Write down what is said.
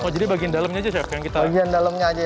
jadi bagian dalamnya saja yang kita naikin butter